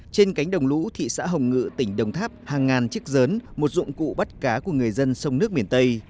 trên cánh đồng lũ thị xã hồng ngự tỉnh đồng tháp hàng ngàn chiếc dớn một dụng cụ bắt cá của người dân sông nước miền tây